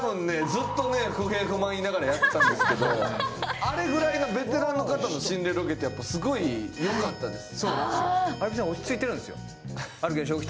ずっとね不平不満言いながらやってたんですけどあれぐらいのベテランの方の心霊ロケってやっぱすごいよかったです